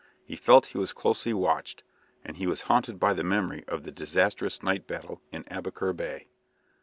He felt he was closely watched, and he was haunted by the memory of the disastrous night battle in Aboukir Bay.